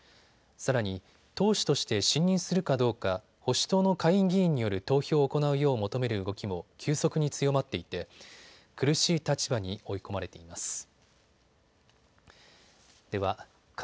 さらに党首として信任するかどうか保守党の下院議員による投票を行うよう求める動きも急速に強まっていて苦しい立場に追い込まれています。